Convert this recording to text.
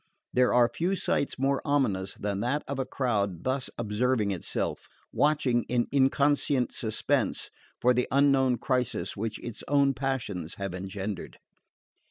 There are few sights more ominous than that of a crowd thus observing itself, watching in inconscient suspense for the unknown crisis which its own passions have engendered.